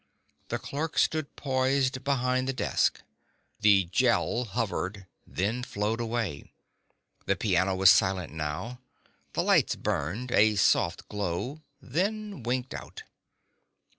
The clerk stood poised behind the desk. The Gel hovered, then flowed away. The piano was silent now. The lights burned, a soft glow, then winked out.